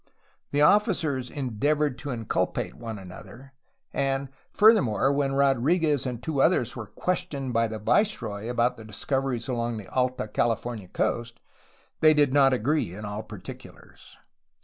The officers endeavored to inculpate one another, and, furthermore, when Rodriguez and two others were questioned by the viceroy about the discoveries along the Alta California coast they did not agree in all particulars.